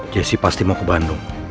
jessi pasti mau ke bandung